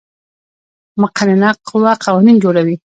مقننه قوه قوانین جوړوي